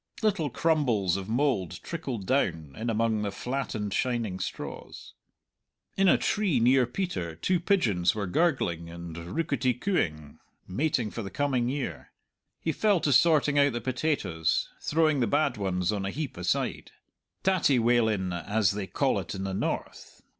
Little crumbles of mould trickled down, in among the flattened shining straws. In a tree near Peter two pigeons were gurgling and rookety cooing, mating for the coming year. He fell to sorting out the potatoes, throwing the bad ones on a heap aside "tattie walin'," as they call it in the north.